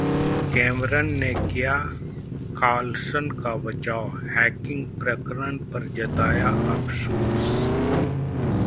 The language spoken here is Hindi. कैमरन ने किया कॉलसन का बचाव, हैकिंग प्रकरण पर जताया अफसोस